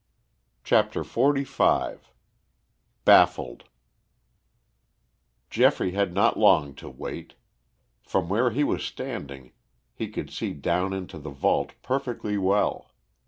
CHAPTER XLV BAFFLED Geoffrey had not long to wait. From where he was standing he could see down into the vault perfectly well.